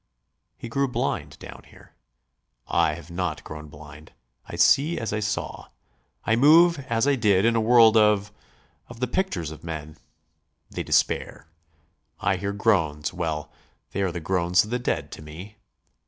He grew blind down here. I have not grown blind. I see as I saw. I move as I did in a world of ... of the pictures of men. They despair. I hear groans ... well, they are the groans of the dead to me.